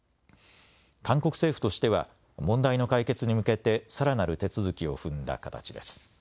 韓国政府としては問題の解決に向けてさらなる手続きを踏んだ形です。